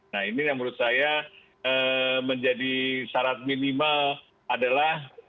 nah ini yang menurut saya menjadi syarat minimal adalah